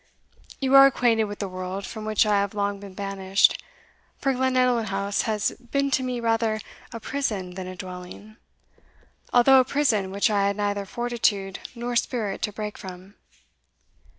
You are acquainted with the world, from which I have long been banished; for Glenallan House has been to me rather a prison than a dwelling, although a prison which I had neither fortitude nor spirit to break from."